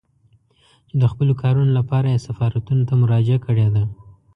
چې د خپلو کارونو لپاره يې سفارتونو ته مراجعه کړې ده.